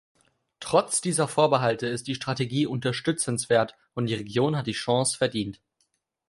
Trotz dieser Vorbehalte ist die Strategie unterstützenswert und die Region hat die Chance verdient.